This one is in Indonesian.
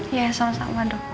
iya sama sama dok